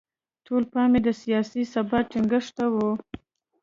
ټول پام یې د سیاسي ثبات ټینګښت ته و.